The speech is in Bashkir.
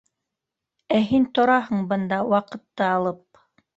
Ә һин тораһың бында, ваҡытты алып.